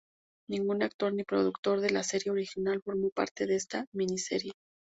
Ningún actor ni productor de la serie original formó parte de esta "mini serie".